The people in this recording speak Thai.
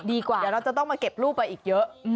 เดี๋ยวเราจะต้องมาเก็บรูปไปอีกเยอะ